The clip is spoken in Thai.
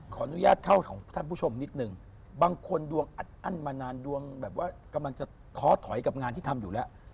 ขออนุญาตเข้าของท่านผู้ชมนิดนึงบางคนดวงอัดอั้นมานานดวงแบบว่ากำลังจะท้อถอยกับงานที่ทำอยู่แล้ว